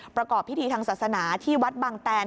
ประกอบพิธีทางศาสนาที่วัดบางแตน